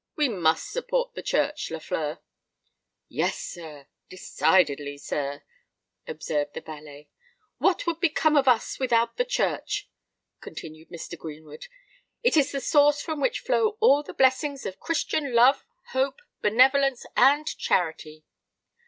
We must support the Church, Lafleur." "Yes, sir—decidedly, sir," observed the valet. "What would become of us without the Church?" continued Mr. Greenwood. "It is the source from which flow all the blessings of Christian love, hope, benevolence, and charity.